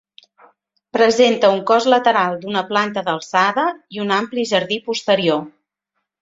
Presenta un cos lateral d'una planta d'alçada, i un ampli jardí posterior.